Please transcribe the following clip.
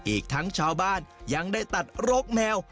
อีกทั้งชาวบ้านยังได้ตัดโรคแมว